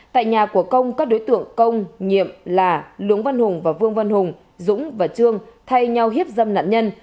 tại nhà của công các đối tượng công nhiệm là luống văn hùng và vương văn hùng dũng và trương thay nhau hiếp dâm nạn nhân